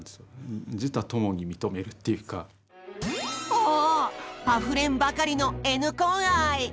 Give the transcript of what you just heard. おおっあふれんばかりのＮコン愛！